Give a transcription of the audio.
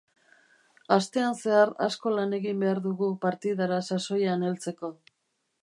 Astean zehar asko lan egin behar dugu partidara sasoian heltzeko.